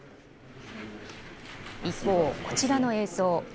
一方、こちらの映像。